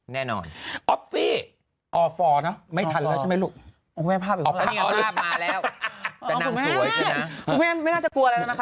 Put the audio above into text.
แน่นอนออพฟี่ไม่ทันแล้วใช่ไหมลูก